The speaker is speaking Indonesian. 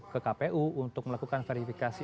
ke kpu untuk melakukan verifikasi